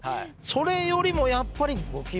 それよりもやっぱりゴキブリ。